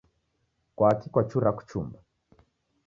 Kwaki kwachura kuchumba?